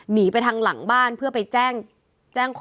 หนีไปทางหลังบ้านเพื่อไปแจ้งความ